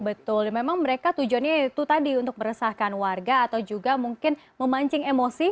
betul memang mereka tujuannya itu tadi untuk meresahkan warga atau juga mungkin memancing emosi